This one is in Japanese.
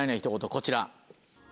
こちら。